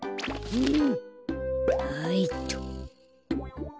うん？